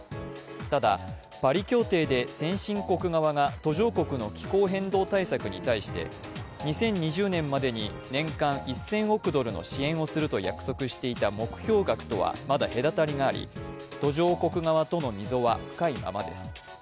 ただ、パリ協定で先進国側が途上国の気候変動対策に対して２０２０年までに年間１０００億ドルの支援をすると約束していた目標額とはまだ隔たりがあり、途上国側との溝は深いままです。